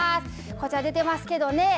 こちら、出てますけどね